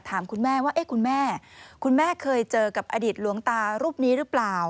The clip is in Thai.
ถามคุณแม่ว่าคุณแม่คุณแม่เคยเจอกับอดีตหลวงตารูปนี้หรือเปล่า